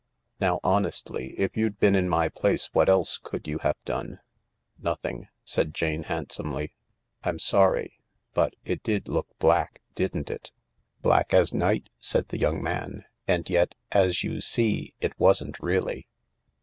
Now, honestly, if you'd been in my place, what else could you have done ?" "Nothing," said Jane handsomely. "I'm sorry. But it did look black, didn't it ?"" Black as night," said the young man; "and yet, as you see, it wasn't, really.